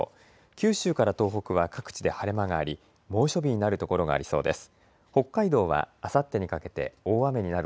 九州から東北は各地で晴れ間があり猛暑日になる所がありそうです。